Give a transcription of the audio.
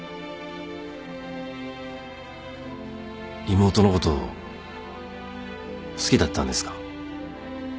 妹のこと好きだったんですか？